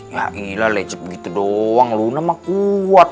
ya inilah lecet gitu doang lun emang kuat